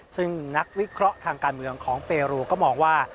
ซึ่งนักวิเคราะห์ทางการเมืองของเปรูก็มองว่า